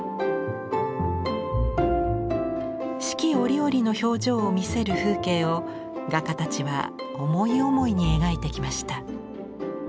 四季折々の表情を見せる風景を画家たちは思い思いに描いてきました。